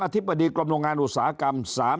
ธิบดีกรมโรงงานอุตสาหกรรม